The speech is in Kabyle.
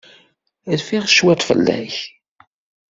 Rfiɣ cwiṭ fell-ak.